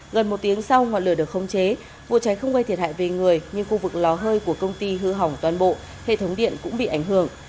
gần một tiếng sau ngọn lửa được không chế vụ cháy không gây thiệt hại về người nhưng khu vực lò hơi của công ty hư hỏng toàn bộ hệ thống điện cũng bị ảnh hưởng